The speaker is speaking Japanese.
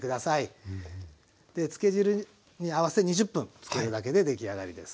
で漬け汁に合わせ２０分つけるだけで出来上がりです。